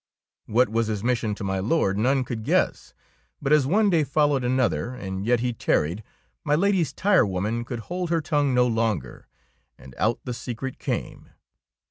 What was his mission to my Lord none could guess. But as one day fol lowed another and yet he tarried, my Lady's tirewoman could hold her tongue no longer, and out the secret came.